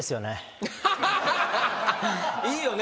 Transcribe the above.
いいよね。